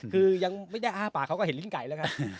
คือยังไม่ได้อ้าปากเขาก็เห็นลิ้นไก่แล้วกัน